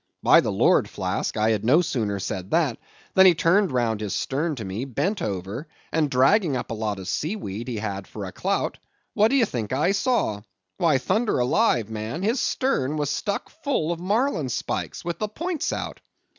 By the lord, Flask, I had no sooner said that, than he turned round his stern to me, bent over, and dragging up a lot of seaweed he had for a clout—what do you think, I saw?—why thunder alive, man, his stern was stuck full of marlinspikes, with the points out.